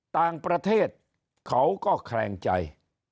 ต่างประเทศเขาก็แคลงใจ